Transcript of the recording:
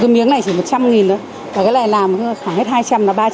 cái miếng này chỉ một trăm linh nghìn thôi cái này làm khoảng hết hai trăm linh là ba trăm linh